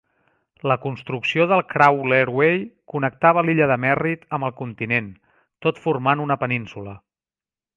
La construcció del Crawlerway connectava l'illa de Merrit amb el continent, tot formant una península.